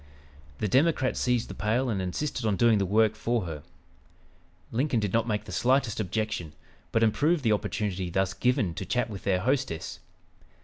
The Democrat seized the pail and insisted on doing the work for her. Lincoln did not make the slightest objection, but improved the opportunity thus given to chat with their hostess.